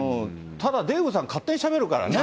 ただ、デーブさん、勝手にしゃべるからね。